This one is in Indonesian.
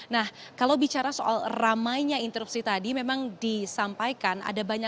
nah kalau bicara soal ramainya interupsi tadi memang disampaikan